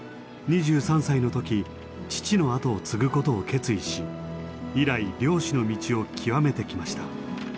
２３歳の時父の後を継ぐことを決意し以来漁師の道を極めてきました。